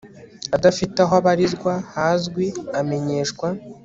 adafite aho abarizwa hazwi amenyeshwa